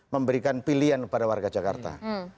memberikan pilihan kepada warga jakarta